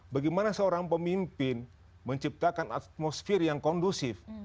bagaimana seorang pemimpin menciptakan atmosfer yang kondusif